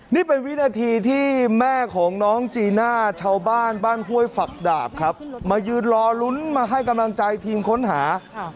นี่เป็นวินาทีที่แม่ของน้องจีน่าชาวบ้านบ้านห้วยฝักดาบครับมายืนรอลุ้นมาให้กำลังใจทีมค้นหา